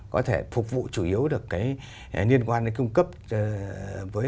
có thể phục vụ chủ yếu được cái liên quan đến cung cấp với cái chăn nuôi